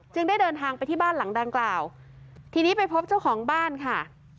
ได้เดินทางไปที่บ้านหลังดังกล่าวทีนี้ไปพบเจ้าของบ้านค่ะ